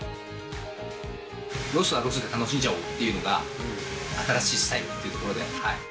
ロスはロスで楽しんじゃおうというのが新しいスタイルっていうところで。